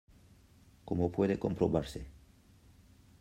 Como puede comprobarse